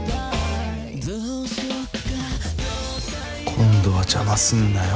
今度は邪魔すんなよ